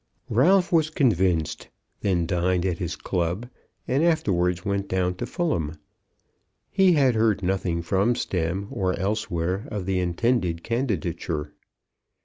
Ralph was convinced, then dined at his club, and afterwards went down to Fulham. He had heard nothing from Stemm, or elsewhere, of the intended candidature.